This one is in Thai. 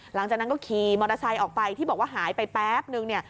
หลังจากนั้นก็ขี่มอเตอร์ไซค์ออกไปที่บอกว่าหายไปแป๊บนึงเนี่ย